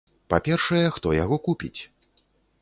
Па-першае, хто яго купіць?